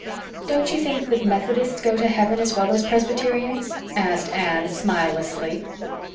"Don't you think that Methodists go to heaven as well as Presbyterians?" asked Anne smilelessly.